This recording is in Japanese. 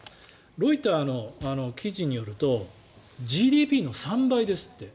ロイターの記事によるとＧＤＰの３倍ですって。